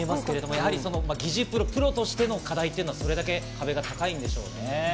擬似プロ、プロとしての課題というのは、それだけ壁が高いんでしょうね。